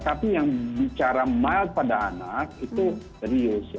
tapi yang bicara mild pada anak itu serius